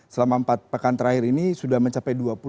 selama empat pekan terakhir ini sudah mencapai dua puluh triliun rupiah